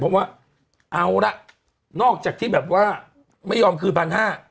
เพราะว่าเอาละนอกจากที่แบบว่าไม่ยอมคืนพันห้า